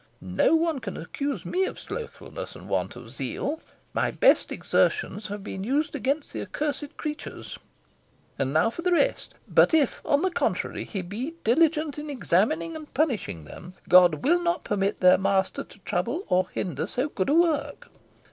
No one can accuse me of slothfulness and want of zeal. My best exertions have been used against the accursed creatures. And now for the rest. 'But if, on the contrary, he be diligent in examining and punishing them, God will not permit their master to trouble or hinder so good a work!'